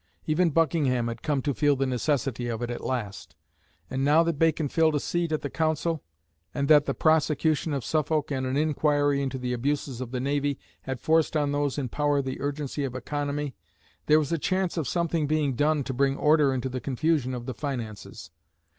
Even Buckingham had come to feel the necessity of it at last; and now that Bacon filled a seat at the Council, and that the prosecution of Suffolk and an inquiry into the abuses of the Navy had forced on those in power the urgency of economy, there was a chance of something being done to bring order into the confusion of the finances.